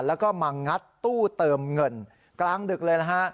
แล้วก็มางัดตู้เติมเงินกลางดึกเลยนะฮะ